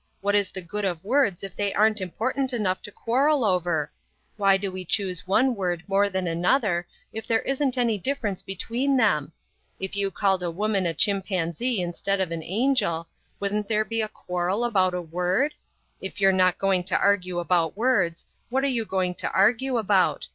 What is the good of words if they aren't important enough to quarrel over? Why do we choose one word more than another if there isn't any difference between them? If you called a woman a chimpanzee instead of an angel, wouldn't there be a quarrel about a word? If you're not going to argue about words, what are you going to argue about?